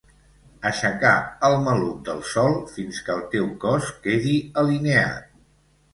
Aixecar el maluc del sòl fins que el teu cos quedi alineat.